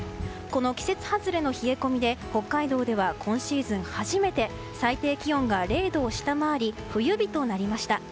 この季節外れの冷え込みで北海道では今シーズン初めて最低気温が０度を下回り冬日となりました。